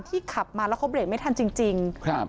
ที่ขับมาแล้วเขาเบรดไม่ทันจริง